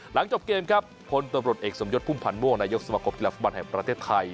หลังจบเกมครับพลตำรวจเอกสมยศพุ่มพันธ์ม่วงนายกสมคมกีฬาฟุตบอลแห่งประเทศไทย